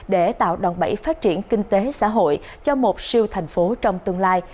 để tạo đòn bẫy phát triển kinh tế xã hội cho một siêu thành phố trong tương lai